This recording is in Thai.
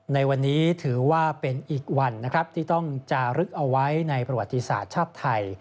ในวันนี้ถือว่าเป็นอีกวันนะครับที่ต้องจารึกเอาไว้ในประวัติศาสตร์ชาติไทย